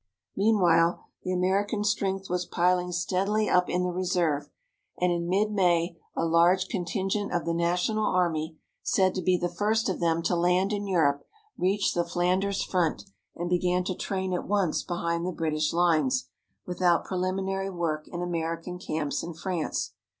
Meanwhile the American strength was piling steadily up in the reserve, and in mid May a large contingent of the National Army, said to be the first of them to land in Europe, reached the Flanders front and began to train at once behind the British lines, without preliminary work in American camps in France.